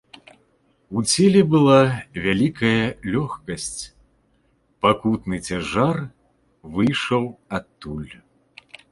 У целе была вялікая лёгкасць, пакутны цяжар выйшаў адтуль.